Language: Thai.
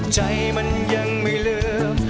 ใจมันยังไม่เลิก